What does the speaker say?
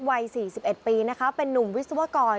วัย๔๑ปีนะคะเป็นนุ่มวิศวกร